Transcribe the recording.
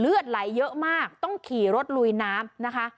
เลือดไหลเยอะมากต้องขี่รถลุยน้ำนะคะ